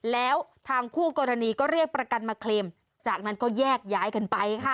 แล้วทางคู่กรณีก็เรียกประกันมาเคลมจากนั้นก็แยกย้ายกันไปค่ะ